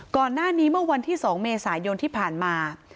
ก่อนหน้านี้เมื่อวันที่๒เมษายนที่ผ่านมา